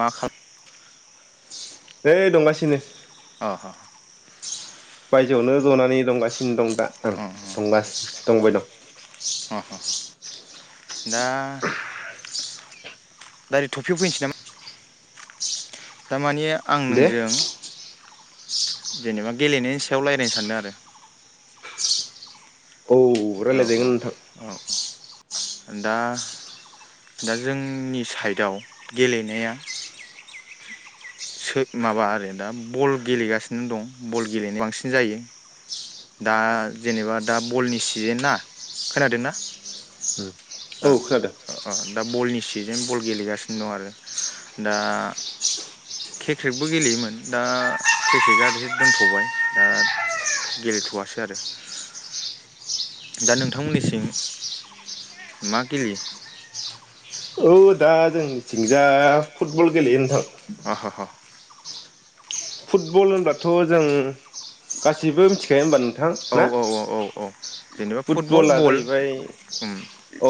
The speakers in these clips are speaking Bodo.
मा खाला नै दंगासिनो। अ' ह' बायजोआवनो जनानै दंगासिनो दं। दा आं दंगा दंबाय दं। ओ हुम दा दायरिक टपिक आव फैनसै नामा? दामानि आं दे नोंजों जेनेबा गेलेनायनि सायाव लायरायनो सानदों आरो औ रायलायजागोन नोंथां। औ औ दा दा जोंनि साइडआव गेलेनाया सो माबा आरो दा बल' गेलेगासिनो दं बल' गेलेनो बांसिन जायो दा जेनेबा दा बल'नि सिजेन ना खोनादोंना? औ खोनादों दा बलनि सि जेन बल गेलेगासिनो दं आरो दा किक्रेटबो गेलेयोमोन दा किक्रेटआ दोनथबाय दा गेलेथ'आसै आरो दा नोंथांमोननिथिं मा गेलेयो? औ दा जोंनि थिंजा फुटबल गेलेयो नोंथां। अह ह ह फुटबल होनबाथ' जों गासिबो मिथिखायो होनबा नों थां औ ना औ औ औ औ जेनेबा फुटबल फुटबला बल जाहैबाय उम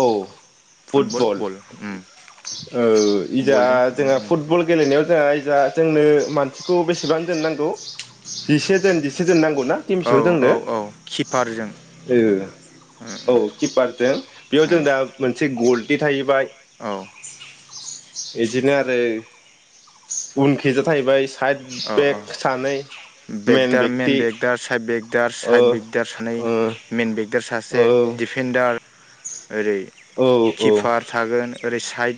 औ फुटबल बल उम ओ इदा बलजों जोंहा उम फुटबल गेलेनायाव जोंहा जा जोंनो मानसिखौ बेस सिबां जोन नांगौ जिसे जोन जिसे जोन नांगौ। ना औ थिमसेयाव औ जोंनो औ किपारजों उम ओ औ किपारजों बेयाव जों उम दा मोन से गलटि थाहैबाय औ इदिनो आरो उनखिजा थाहैबाय साइत औ औ बेगदार मेन बेगदार साइड बेग दार ओ साइद ओ बिगदार सानै मेन बेग दार औ सासे दिफेनडार ओरै औ औ किपार थागोन ओरै साइड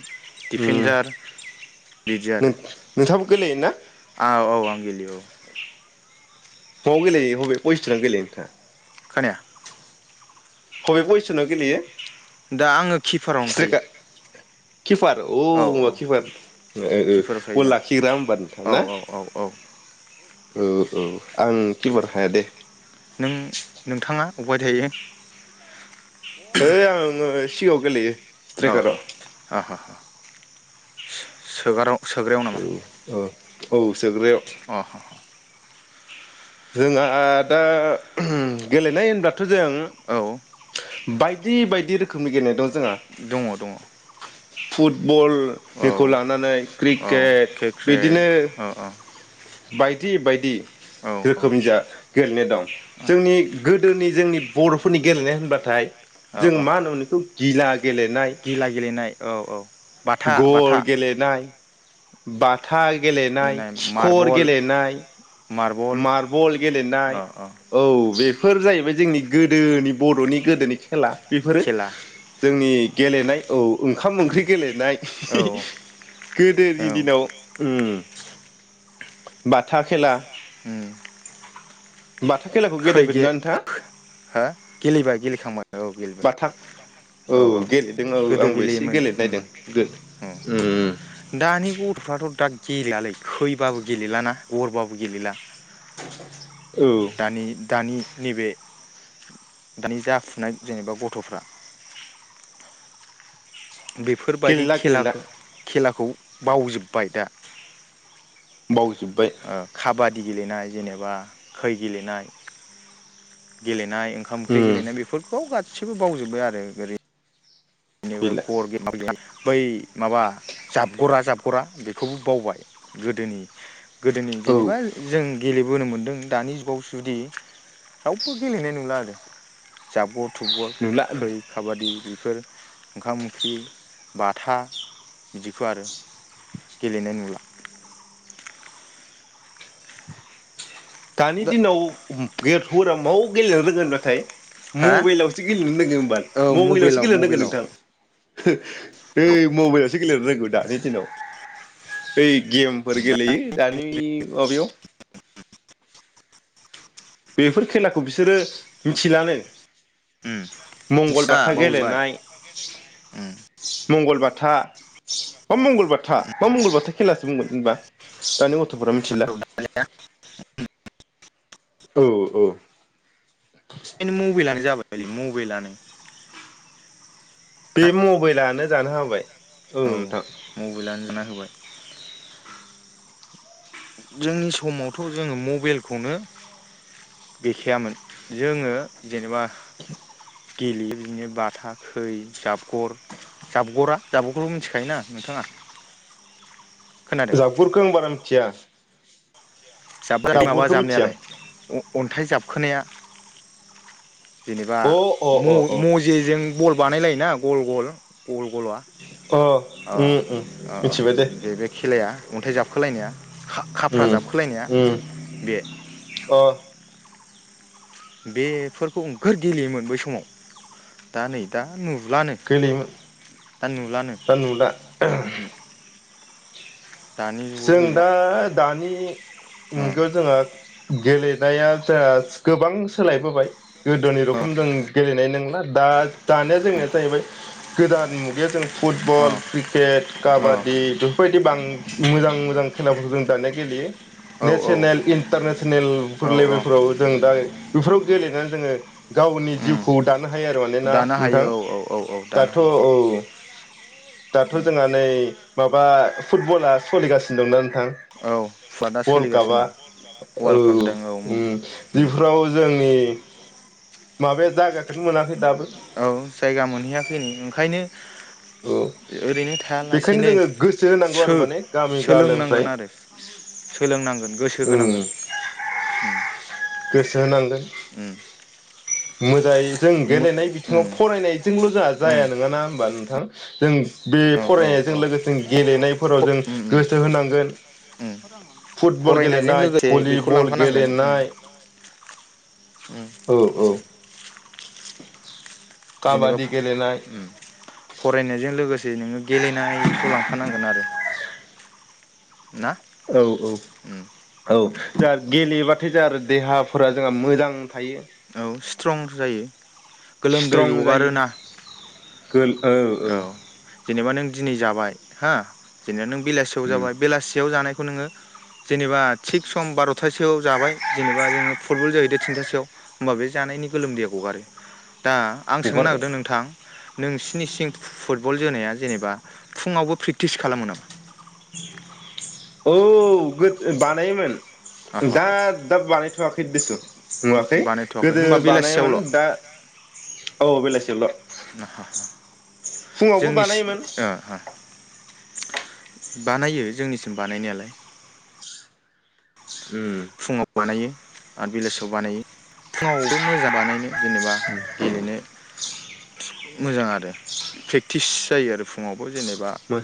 उम डिफेन्डार बिदि नों नोंथाङाबो गेलेयो ना? आरो औ आं गेलेयो औ अबाव गेलेयो बबे फजिसनजों गेलेयो नोंथाङा? खोनाया हबे पजिसनाव गेलेयो दा आङो किपारावनो थायो स्ट्राइकार किपार औ किपार किपाराव बल थायो आं लाखिग्रा होमबा नोंथां औ ना? औ औ औ ओ औ आं खिफार हाया दे नों नोंथाङा अबाय थायो? है आङो सिगाङाव गेलेयो औ औ स्ट्राइकाराव अ ह ह सोगाराव सोग्रायाव नामा औ औ औ सोग्रायाव अह जोंहा दा गेलेनाय होनब्ला थ औ जों बायदि बायदि रोखोमनि गेलेनाय दं जोंहा दङ दङ फुटबल औ बेखौ लानानै क्रिक औ केट क्रिकेट बिदिनो औ औ बाइक दि बायदि औ औ रोखोमनि जा गेलेनाय दं जोंनि गोदोनि जोंनि बर फोरनि गेलेनाय होनबाथाय औ जों औ मा होनोमोन बेखौ गिला गेलेनाय गिला गेलेनाय औ औ बाथा बाथा गर गेलेनाय बाथ था गेलेनाय खिखर गेलेनाय मार्बल मारबल गेलेनाय औ बे फोर जाहैबाय जोंनि गोदोनि बर'नि गोदोनि खेला बेफोरो खेला जोंनि गेलेनाय औ ओंखाम ओंख्रि गेलेनाय हि औ हि हि औ गोदोनि दिनाव उम बाथा खेला बा खैगे हा गेलेबाय गेलेखांबाय औ बाथा गेलेबाय औ औ गेलेदों औ गोदो आंबो एसे गेलेयोमोन गेलेनो उम नायदों गोद उम दानि गथ'फ्राथ' दा गेलेलालै थैबाबो गेलेेलाना गरबाबो गेलेला [inaudible] दानि दानि नैबे दानि जाफुनाय जेनेबा गथ'फ्रा बेफोरबायदि गेलेला गेलेला खेलाखौ खेला खौ बावजोब्बाय दा बावजो ओ खाबादि गेलेनाय जेनेबा खै गेलेनाय गेले नाय ओंखाम ओंख्रि उम गेलेनाय बेफोरखौ सैबो बावजोब्बाय आरो गोलै गैला [unintelligible] बै माबा जाबगरा जाब रा बेखौबो बावबाय गोदोनि गोदोनि औ जेनेबा जों गेले बोनो मोन्दों दानि जुगाव जुदि रावबो गेलेनाय नंला आरो जा [unintelligible] फुटबल नुला खै खाबादि फोर ओंखाम ओंख्रि बाथा बिदिखौ आरो गेलेनाय नुला दानि दा दिनाव गैया [unintelligible] मौ गेलेना रोंगोन नाथाय हा मबाइलावसो गेलेनो [unintelligible] औ मबाइलावसो मबाइलाव गेलेनो रोंगो मबाइलाव नोंथां ओइ मबाइलावसो गेलेनो रोंगौ दानि दिनाव ओइ गेमफोर दा गेलेयो दानि माबायाव बेफोर खेलाखौ बिसोरो मिथिलानो। उम मिथिला मंगलबाथा बावजोबबाय गेलेनाय उम मंगलबाथा। मा मंगलबाथा? मा मंगलबाथा? खेलासो बुंगोन होनबा दानि गथ'फोरा मिथिला। औ दानिया औ औ एखायनो मबाइलानो जाबायलै मबाइलानो बे हा मबाइलानो जाना हो बाय। औ मबाइलानो जाना होबाय। जोंनि समावथ' जोङो मबाइलखौनो गैखायामोन। जोङो जेनेबा गेलेयो बिदिनो बाथा खै जाबगर जाबगरा जाबगरबो मिथिखायोना नोंथाङा? खोनादों जाबगुरखो आं बारा मिथिया। जाब [unintelligible] माबा जाबगुरखौ मिथिया जाबनायालाय अन्थाइ जाबखोनाया जेनेबा अ अ अ अ म-मजेजों बल बानायलायोना गल गल गल गला अ अ उम उम अ अ मिथिबाय दे बे बे खेलाया अन्थाइ जाबखोलायनाया खा-खाफ्रा उम जाबखोलायनाया उम बे अ बेफोरखौ नोगोर गेलेयोमोन बै समाव दा नै दा नु गेलेयोमोन दा नुला ओमहो दानि जुगाव जों गैला दा दानि मुगायाव ओ जोंहा गेलेनाया जाया गोबां सोलायबोबाय। गोदोनि ओ रखम जों गेलेनाय नंला दा दानिया जोंनिया जाहैबाय गोदान मुगायाव जों फुटबल क्रिकेट ओ काबादि बेफोरबायदि बां मोजां मोजां खेलाफोरखौ जों दानिया गेलेयो औ नेसनेल औ इन्टारनेसनेलफोर औ लेभेलफोराव जों दा बेफोराव गेलेनानै जोंङो गावनि उम जिउखौ दानो हायो आरो माने ना दानो हायो नोंथां औ औ औ औ दानो दाथ' हायो औ दाथ' जोंहा नै माबा फुटबला सलिगासिनो दंना नोंथां? औ फुवा दा वार्ल्ड कापा सोलिगासिनो दं औ वार्ल्ड काप जादों औ उम बेफोराव जों [unintelligible] माबाया जायगाखौनो मोनाखै दाबो औ जायगा मोनहैयाखै नै ओंखायनो औ ओरैनो बेखायनो थायालासेनो जोङो गोसो होनांगौ आरो माने गामि गालोनिफ्राय सो-सोलोंनांगोन आरो सोलोंनांगोन गोसो उम होनांगोन। ओम गोसो होनांगोन मोजाङै जों मो गेलेनाय बिथिङाव उम फरायनाय जोंलाय जाया उम जाया नङा ना होमबा नोंथां जों बे औ औ फरायनायजों औ लोगोसे गेलेनायफोराव फ जों उम उम गोसो होनांगोन उम फुटबल फरायनायजों गेलेनाय लोगोसे बेखौ भलिबल लांफानांगोन उम गेलेनाय उम औ औ [inaudible] जेनेबा गेलेनाय फरायनायजों लोगोसे जे नोंङो गेलेनायखौ लांफानांगोन आरो ना औ औ उम औ दा गेलेयोबाथाय जों देहाफोरा जोंहा मोजां थायो औ सिथ्रं जायो गोलोमदै स्ट्रं जायो गगारोना गोल औ औ जेनेबा नों दिनै जाबाय हो जेनेबा नों बेलासियाव उम जाबाय बेलासियाव जानाय बे खौ नोंङो जेनेबा थिग सम बारथासोआव जाबाय जेनेबा जोंङो फुटबल जाहैदो थिनथासोआव होमबा बे जानायनि गोलोमदैया गगारो दा आं सोंनो हगारबाय नागिरदों नोंथां नोंसिनि सिं फु फुटबल जोनाया जेनेबा फुङावबो प्रेकटिस खालामो नामा औ गो बानायोमोन आहा दा हा दा बानायथवाखै दसु नुवाखै बानायथ'वाखै गोदो होमबा बानायोमोन बेलासियावल' दा औ बेलासिल आहा फुङावबो जोंनि बानायोमोन ओ हा बानायो जोंनिसिम बानायनायालाय [inaudible] फुङाव बानायो आरो बिलेज बानायो फुङावबो मोजां बानायनो जेनेबा गेलेनो मोजां आरो प्रेक्टिस जायो आरो फुङाव जेनेबा मो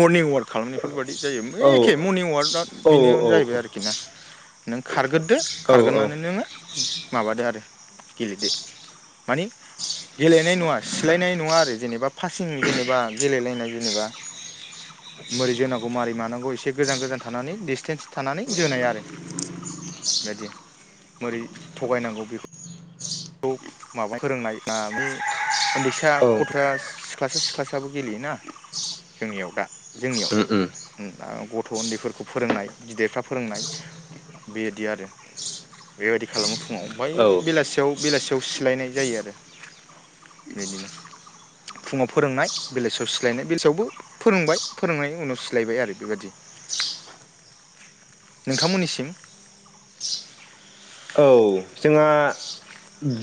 मर्निं अवाक खालामनायफोरबायाददि जायो औ एखे मर्निं अवाकआ औ बेनि जाहैबाय आरोखि ना नों खारग्रोदो औ खारग्रोनानै नोङो माबादो आरो गेलेदो मानि गेलेनाय नङा सिलायनाय नङा आरो जेनेबा पारसिं जेनेबा गेलेलायनाय जेनेबा मोरै जोनांगौ मारोरै मानांगौ एसे बे गोजान गोजान थानानै डिसटेन्स थानानै जोनाय आरो [unintelligible] मोरै थगायनांगौ बेखौ माबा फोरोंनाय [unintelligible] उन्दैसा औ गथ' [unintelligible] सासे सि ख्लासआबो जोंनियाव [unintelligible] उम उम गथ' उन्दैफोरखौ फोरोंनाय गिदिरफ्रा फोरोंनाय। बेदि आरो बेबायदि खालामो फुङाव ओमाय औ बेलासियाव बेलासियाव सिलायनाय जायो आरो। बिदिनो फुङाव फोरोंनाय बेलासियाव सिलायनाय बेलासियावबो फोरोंबाय फोरोंनायनि उनाव सिलायबाय आरो बेबादि। नोंथांमोननि सिम औ जोंहा,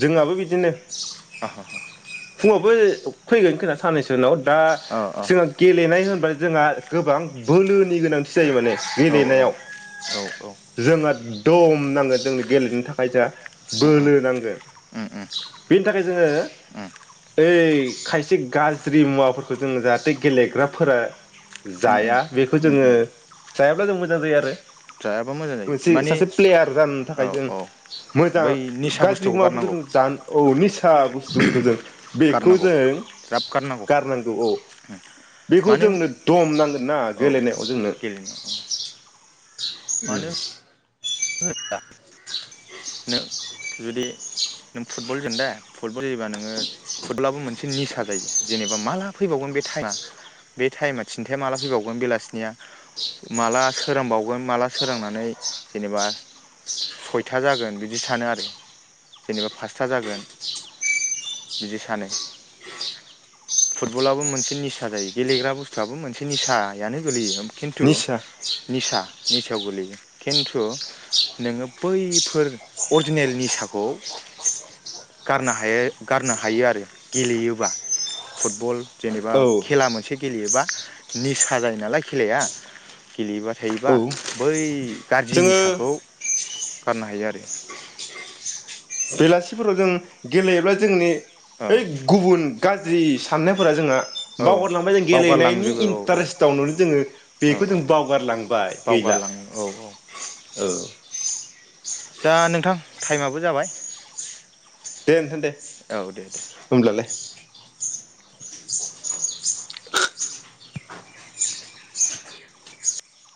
जोंहाबो बिदिनो अ [inaudible] फुङावबो फैगोन खोना साननैसो उनाव दा अ जोंहा गेलेनाय होनबाय जोंहा गोबां बोलोनि गोनांथि जायोमाने औ गेलेनायाव। औ औ जोंहा एदम नांगो जोंनो गेलेनो था [unintelligible] उम बोलो नांगोन। उम उम बेनि थाखाय जोङो, उम ओइ खायसे गाज्रि मुवाफोरखौ जोङो जाहाथे गेलेग्राफोरा उम उम जाया। बेखौ उम जोङो उम जायाब्ला जों मोजां जायो आरो। जायाबा मोजां जायो मोनसे माने सासे प्लेयार जानो थाखाय औ जों औ मोजां बै निसा गाज्रि बुस्थुखौ मुवाफोरखौ गारनांगौ जों जानो औ निसा बुस्थुफोरखौ जों बेखौ गारनांगौ जों गारनांगौ औ। मानो जोंनो दम नांगोन ना औ गेलेनायाव जोंनो। गेलेनांगौ उम मानो [unintelligible] नों जुदि नों फुटबल जेन दे फुटबल जायोबा नोङो फुटबलाबो मोनसे निसा जायो जेनेबा माला फैबावगोन बे टाइमा बे टाइमा थिन्थाया माला फैबावगोन बेलासिनिया माला सोरांबावगोन माला सोरांनानै जेनेबा सयथा जागोन बिदि सानो आरो जेनेबा फासथा जागोन। बिदि सानो फुटबलबो मोनसे निसा जायो गेलेग्रा बुस्थुआबो मोनसे निसायानो गोलैयो। खिन्थु निसा निसा सायाव गोलैयो खिन्थु नोङो बैफोर अरजिनेल निसाखौ गारनो हायो गारनो हायो आरो गेलेयोबा फुटबल जेनेबा औ खेला मोनसे गेलेयोबा निसा जायो नालाय खेलाया गेलेयोबा थायोबा औ बै गाज्रि जोङो निसाखौ गारनो हायो आरो बेलासिफोराव जों गेलेयोब्ला जोंनि औ बै गुबुन गा ज्रि साननायफोरा जोंहा औ बावगारलांबाय जों गेलेनायनि बावगारलांजोबो औ औ इन्टारेस्टआवनो जोङो औ बेखौ औ जों बावगारलांबाय गैला। बावगारलाङो औ औ औ दा नोंथां थाइमाबो जाबाय। दे नोंथां दे औ दे दे होमब्लालाय।